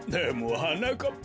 ははなかっぱ！